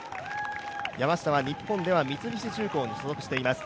山下は日本では三菱重工に所属しています。